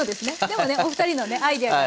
でもねお二人のねアイデアが。